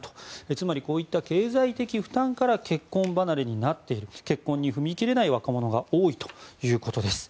つまりこういった経済的負担から結婚離れになっている結婚に踏み切れない若者が多いということです。